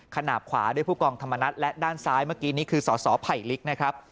ขนาดขวาด้วยผู้กรองด่านซ้ายเมื่อกี้นี่คือส่อไผลกนะครับ